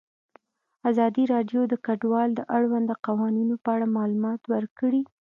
ازادي راډیو د کډوال د اړونده قوانینو په اړه معلومات ورکړي.